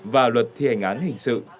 và luật thi hành án hình sự